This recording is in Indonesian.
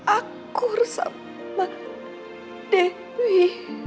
akur sama dewi